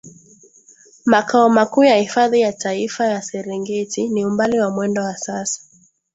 makao makuu ya hifadhi ya Taifa ya Serengeti Ni umbali wa mwendo wa saa